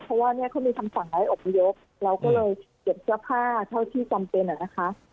เพราะว่าเนี่ยเขามีคำสั่งให้อบพยพเราก็เลยเก็บเสื้อผ้าเท่าที่จำเป็นนะคะ